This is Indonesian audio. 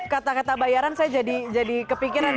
kata kata bayaran saya jadi kepikiran